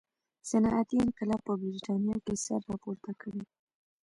صنعتي انقلاب په برېټانیا کې سر راپورته کړي.